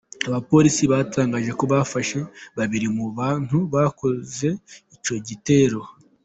Abapolisi batangaje ko bafashe babiri mu bantu bakoze icyo gitero.